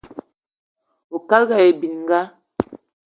Oukalga aye bininga